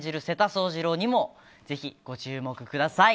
宗次郎にもぜひご注目ください。